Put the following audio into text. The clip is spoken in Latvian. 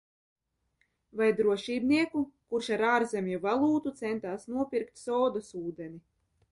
Vai drošībnieku, kurš ar ārzemju valūtu centās nopirkt sodas ūdeni?